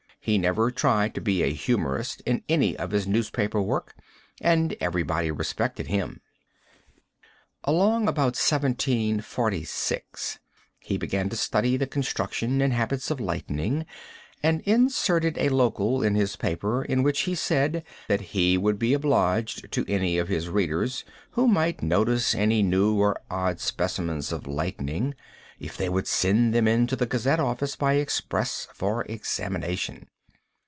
He never tried to be a humorist in any of his newspaper work, and everybody respected him. Along about 1746 he began to study the construction and habits of lightning, and inserted a local in his paper, in which he said that he would be obliged to any of his readers who might notice any new or odd specimens of lightning, if they would send them into the Gazette office by express for examination.